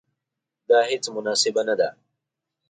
دا هیڅ مناسبه نه ده.